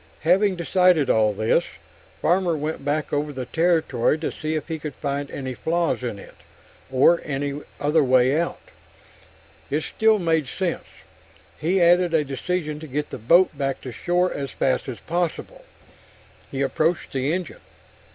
Having decided all this, Farmer went back over the territory to see if he could find any flaws in it or any other way out. It still made sense, and he added a decision to get the boat back to shore as fast as possible. He approached the engine.